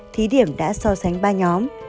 thí điểm đã so sánh ba nhóm